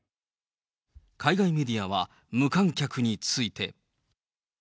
海外メディアは、無観客について。